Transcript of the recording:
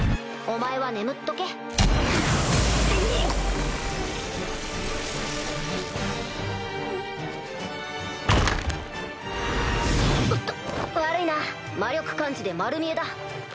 おっと悪いな魔力感知で丸見えだ。